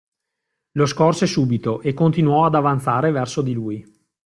Lo scorse subito e continuò ad avanzare verso di lui.